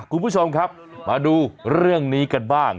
คุณผู้ชมครับมาดูเรื่องนี้กันบ้าง